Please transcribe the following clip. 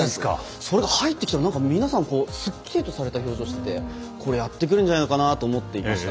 それが入ってきたら皆さん、すっきりとされた表情をしててこれやってくれるんじゃないかなと思っていました。